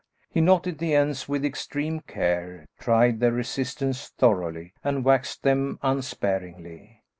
He knotted the ends with extreme care, tried their resistance thoroughly, and waxed them unsparingly.